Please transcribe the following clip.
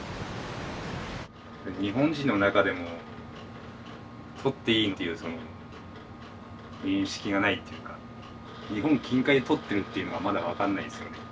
日本人の中でも獲っていいという認識がないっていうか日本近海で獲ってるっていうのはまだ分かんないですよね。